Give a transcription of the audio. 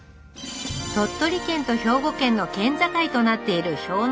鳥取県と兵庫県の県境となっている氷ノ